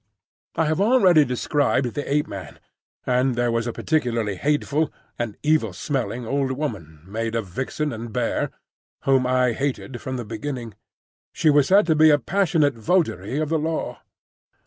I have already described the Ape man, and there was a particularly hateful (and evil smelling) old woman made of vixen and bear, whom I hated from the beginning. She was said to be a passionate votary of the Law.